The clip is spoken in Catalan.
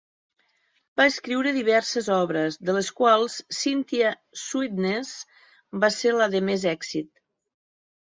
Va escriure diverses obres, de les quals Cynthia Sweetness va ser la de més èxit.